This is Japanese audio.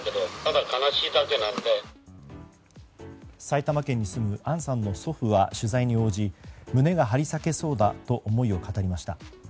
埼玉県に住む杏さんの祖父は取材に応じ胸が張り裂けそうだと思いを語りました。